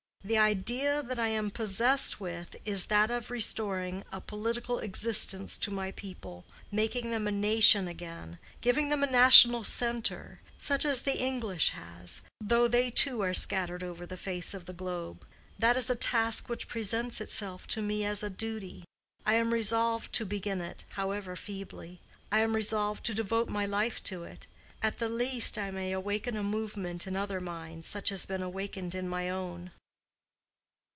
"The idea that I am possessed with is that of restoring a political existence to my people, making them a nation again, giving them a national center, such as the English have, though they too are scattered over the face of the globe. That is a task which presents itself to me as a duty; I am resolved to begin it, however feebly. I am resolved to devote my life to it. At the least, I may awaken a movement in other minds, such as has been awakened in my own."